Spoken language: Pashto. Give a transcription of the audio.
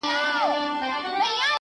په ژړا ژړا یې وایستم له ښاره.!